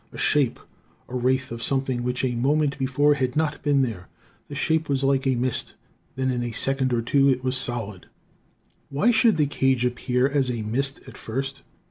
A shape. A wraith of something which a moment before had not been there. The shape was like a mist. Then in a second or two it was solid." Why should the cage appear as a mist at first?